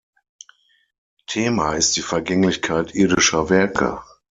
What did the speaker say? Thema ist die Vergänglichkeit irdischer Werke.